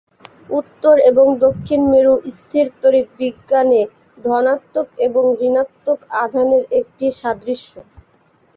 উত্তর এবং দক্ষিণ মেরু স্থির তড়িৎ বিজ্ঞানে ধনাত্মক এবং ঋণাত্মক আধানের একটি সাদৃশ্য।